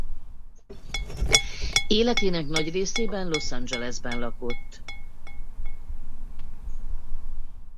Életének nagy részében Los Angelesben lakott.